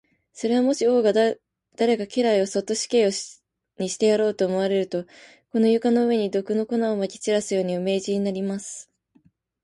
それは、もし王が誰か家来をそっと死刑にしてやろうと思われると、この床の上に、毒の粉をまき散らすように、お命じになります。